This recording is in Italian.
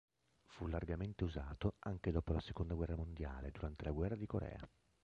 Fu largamente usato anche dopo la seconda guerra mondiale durante la Guerra di Corea.